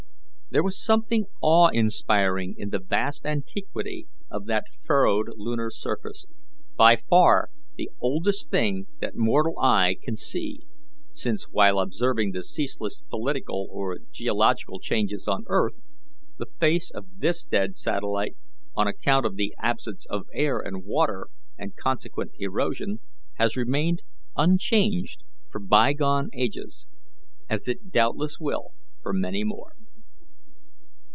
There was something awe inspiring in the vast antiquity of that furrowed lunar surface, by far the oldest thing that mortal eye can see, since, while observing the ceaseless political or geological changes on earth, the face of this dead satellite, on account of the absence of air and water and consequent erosion, has remained unchanged for bygone ages, as it doubtless will for many more.